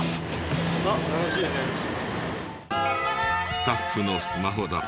スタッフのスマホだと。